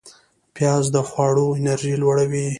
پیاز د خواړو انرژی لوړوي